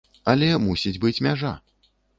Але мусіць быць мяжа.